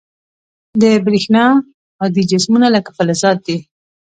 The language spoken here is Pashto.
د برېښنا هادي جسمونه لکه فلزات دي.